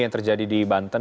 yang terjadi di banten